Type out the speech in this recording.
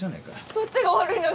どっちが悪いのよ